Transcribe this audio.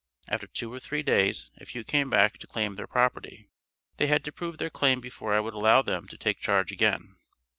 After two or three days a few came back to claim their property. They had to prove their claim before I would allow them to take charge again.